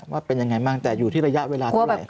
ว่าเป็นยังไงบ้างแต่อยู่ที่ระยะเวลาเท่าไหร่